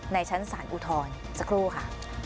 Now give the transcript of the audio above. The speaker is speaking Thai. ในชั้นสานอุทรสักลูกค่ะ